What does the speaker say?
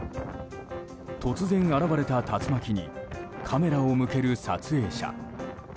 突然現れた竜巻にカメラを向ける撮影者。